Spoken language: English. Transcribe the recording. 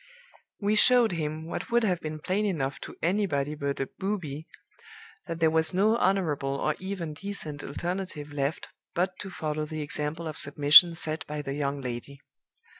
We showed him, what would have been plain enough to anybody but a booby, that there was no honorable or even decent alternative left but to follow the example of submission set by the young lady.